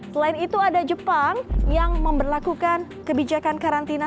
selain itu ada jepang yang memperlakukan kebijakan karantina